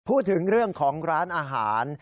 พูดถึงเรื่องของร้านอาหาร